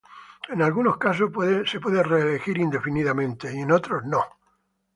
En algunos casos puede ser reelegido indefinidamente y en otros no.